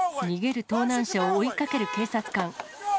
逃げる盗難車を追いかける警察官。